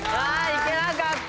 行けなかった。